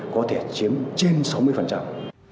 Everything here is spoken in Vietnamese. có thể chiếm trên sáu mươi